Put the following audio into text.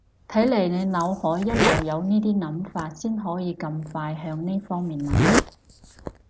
睇嚟你腦海一路有呢啲諗法先可以咁快向呢方面諗